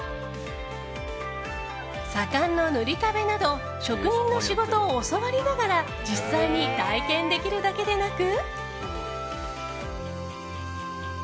左官の塗り壁など職人の仕事を教わりながら実際に体験できるだけでなく。